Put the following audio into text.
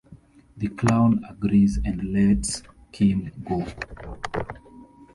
The clown agrees, and lets Kim go.